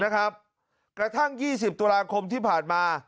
นะครับกระทั่งยี่สิบตุลาคมที่ผ่านมา